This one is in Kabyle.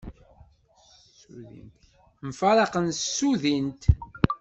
Mfaraqen s tsudint.